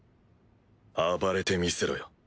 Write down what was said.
暴れてみせろよ。